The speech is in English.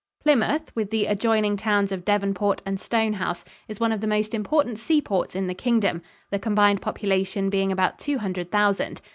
Plymouth, with the adjoining towns of Devonport and Stonehouse, is one of the most important seaports in the Kingdom, the combined population being about two hundred thousand.